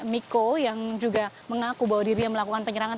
miko yang juga mengaku bahwa dirinya melakukan penyerangan